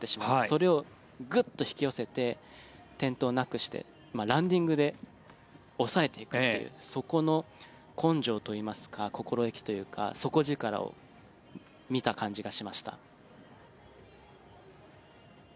それをグッと引き寄せて転倒なくしてランディングで抑えていくというそこの根性といいますか心意気というか底力を見た感じがしました。